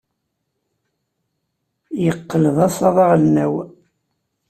Yeqqel d asaḍ aɣelnaw.